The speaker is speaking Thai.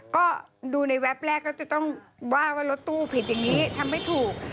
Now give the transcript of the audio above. ก็ดูในแวบแรกก็จะต้องว่าว่ารถตู้ผิดอย่างนี้ทำไม่ถูก